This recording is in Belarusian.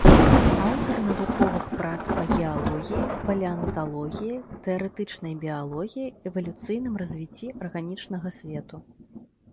Аўтар навуковых прац па геалогіі, палеанталогіі, тэарэтычнай біялогіі, эвалюцыйным развіцці арганічнага свету.